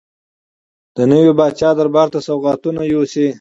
د نوي پاچا دربار ته سوغاتونه یوسي.